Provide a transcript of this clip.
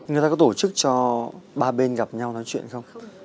người ta có tổ chức cho ba bên gặp nhau nói chuyện không